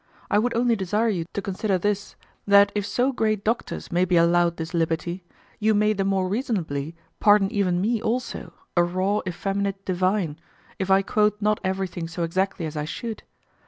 I would only desire you to consider this, that if so great doctors may be allowed this liberty, you may the more reasonably pardon even me also, a raw, effeminate divine, if I quote not everything so exactly as I should.